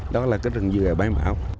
đó là cái rừng dừa bảy mẫu